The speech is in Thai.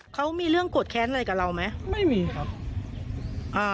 เขามีเรื่องโกรธแค้นอะไรกับเราไหมไม่มีครับอ่า